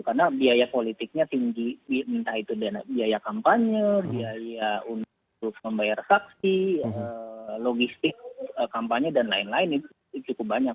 karena biaya politiknya tinggi minta itu biaya kampanye biaya untuk membayar saksi logistik kampanye dan lain lain itu cukup banyak